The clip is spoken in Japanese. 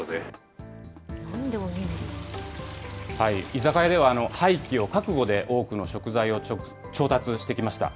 居酒屋では廃棄を覚悟で多くの食材を調達してきました。